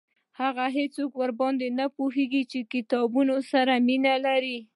هغه څوک ورباندي پوهیږي چې د کتابونو سره مینه لري